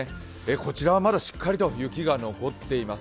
こちらはまだしっかりと雪が残っています。